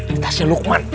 ini tasnya lukman